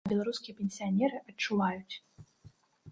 А беларускія пенсіянеры адчуваюць!